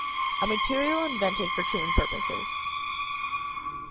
A material invented for chewing purposes.